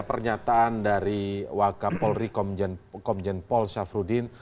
pernyataan dari wakil polri komjen paul syafrudin